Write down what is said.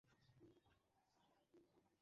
আর কোনও প্রশ্ন?